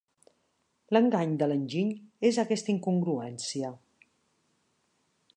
L'engany de l'enginy és aquesta incongruència.